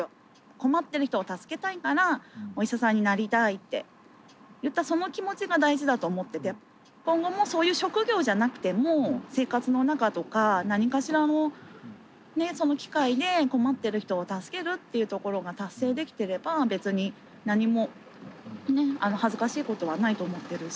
困ってる人を助けたいからお医者さんになりたいって言ったその気持ちが大事だと思ってて今後もそういう職業じゃなくても生活の中とか何かしらの機会で困ってる人を助けるっていうところが達成できてれば別に何もね恥ずかしいことはないと思ってるし。